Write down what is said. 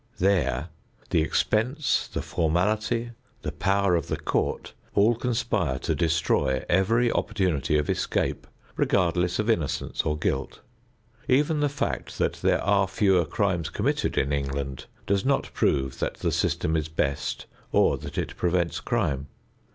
There the expense, the formality, the power of the court all conspire to destroy every opportunity of escape, regardless of innocence or guilt. Even the fact that there are fewer crimes committed in England does not prove that the system is best or that it prevents crime.